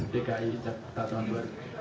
dki tata tuan baru